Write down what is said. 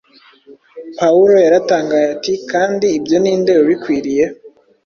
Pawulo yaratangaye ati: “Kandi ibyo ni nde ubikwiriye.”